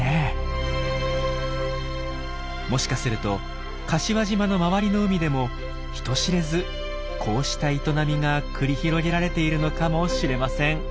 もしかすると柏島の周りの海でも人知れずこうした営みが繰り広げられているのかもしれません。